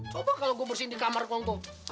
coba kalo gua bersihin di kamar ngkong tuh